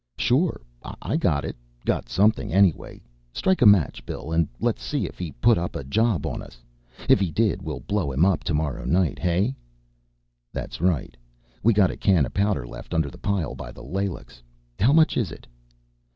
"Sure I got it! Got something, anyway. Strike a match, Bill, and let's see if he put up a job on us. If he did, we'll blow him up to morrow night, hey?" "That's right. We got a can o' powder left under the pile by the laylocks. How much is it?"